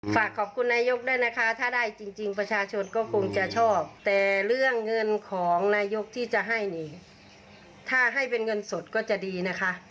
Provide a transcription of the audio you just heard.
ฝากขอบคุณนายกด้วยนะคะถ้าได้จริงประชาชนก็คงจะชอบแต่เรื่องเงินของนายกที่จะให้นี่ถ้าให้เป็นเงินสดก็จะดีนะคะ